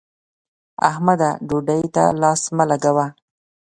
احمده! ډوډۍ ته لاس مه لګوه.